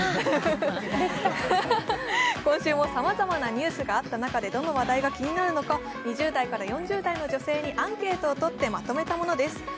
今週もさまざまなニュースがあった中でどの話題が気になるのか２０代から４０代の女性にアンケートをとってまとめたものです。